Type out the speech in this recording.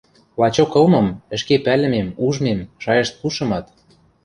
Лачок ылмым, ӹшке пӓлӹмем, ужмем, шайышт пушымат